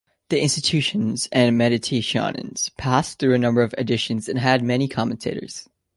The "Institutiones" and "Meditationes" passed through a number of editions, and had many commentators.